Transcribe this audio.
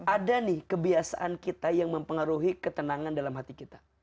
ada nih kebiasaan kita yang mempengaruhi ketenangan dalam hati kita